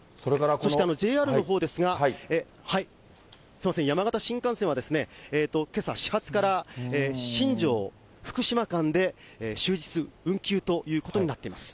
そしてＪＲのほうですが、山形新幹線はけさ、始発から新庄・福島間で終日運休ということになっています。